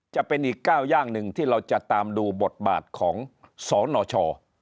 จะเป็นอีกก้าวย่างหนึ่งที่เราจะตามดูบทบาทของสนช